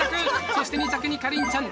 そして２着に花梨ちゃん、